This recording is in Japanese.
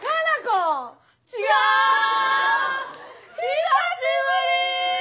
久しぶり！